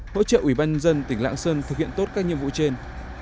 hỗ trợ ủy ban nhân dân tỉnh lạng sơn thực hiện tốt các nhiệm vụ trên